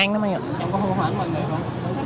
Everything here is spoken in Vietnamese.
em có hô hóa mọi người không